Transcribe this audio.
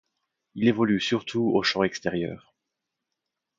Il évolue surtout au champ extérieur.